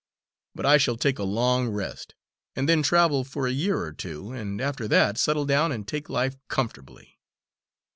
But I shall take a long rest, and then travel for a year or two, and after that settle down and take life comfortably."